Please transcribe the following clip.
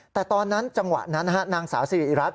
แต่ตอนนั้นจังหวะนั้นนางสาวสิริรัต